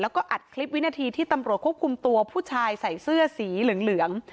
แล้วก็อัดคลิปวินาทีที่ตำรวจควบคุมตัวผู้ชายใส่เสื้อสีเหลือง